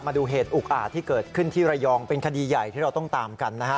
มาดูเหตุอุกอาจที่เกิดขึ้นที่ระยองเป็นคดีใหญ่ที่เราต้องตามกันนะฮะ